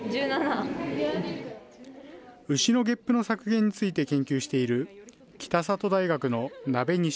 牛のげっぷの削減について研究している北里大学の鍋西